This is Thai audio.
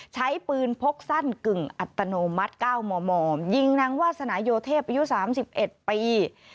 ใช้ปืนพกสั้นกึ่งอัตโนมัติ๙มมยิงนางวาสนายโยเทพอายุ๓๑ปี